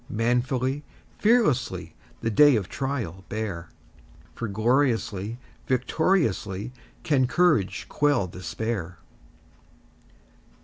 Manfully, fearlessly, The day of trial bear, For gloriously, victoriously, Can courage quell despair!